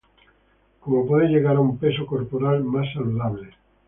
cómo puede llegar a un peso corporal más saludable